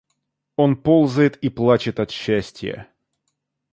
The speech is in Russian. Он ползает и плачет от счастья.